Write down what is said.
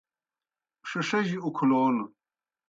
ݜِݜجیْ اُکھلون